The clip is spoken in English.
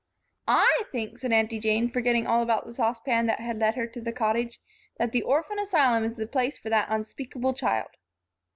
"I think," said Aunty Jane, forgetting all about the saucepan that had led her to the Cottage, "that the orphan asylum is the place for that unspeakable child."